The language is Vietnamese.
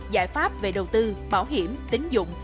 giải pháp về đầu tư bảo hiểm tính dụng